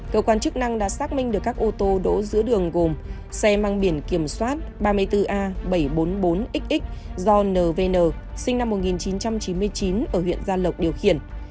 cơ quan chức năng đã xác minh được các ô tô đỗ giữa đường gồm xe mang biển kiểm soát ba mươi bốn a bảy trăm bốn mươi bốn xx do nvn sinh năm một nghìn chín trăm chín mươi chín ở huyện gia lộc điều khiển